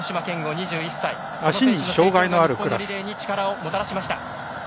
２１歳この選手の成長が日本のリレーに力をもたらしました。